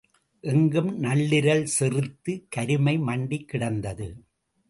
எங்கும் நள்ளிருள் செறித்து கருமை மண்டிக் கிடந்தது.